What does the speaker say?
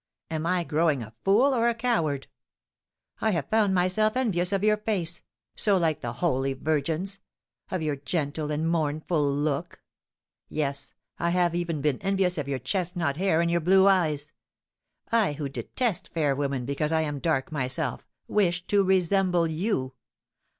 Am I growing a fool or a coward? I have found myself envious of your face, so like the Holy Virgin's; of your gentle and mournful look. Yes, I have even been envious of your chestnut hair and your blue eyes. I, who detest fair women, because I am dark myself, wish to resemble you.